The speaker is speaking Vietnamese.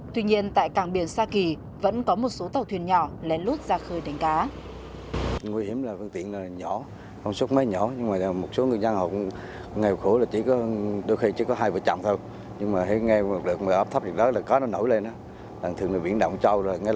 tuy nhiên tại cảng biển sa kỳ vẫn có một số tàu thuyền nhỏ lén lút ra khơi đánh cá